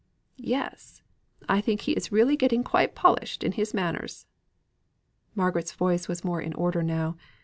"Yes! I think he is really getting quite polished in his manners." Margaret's voice was more in order now.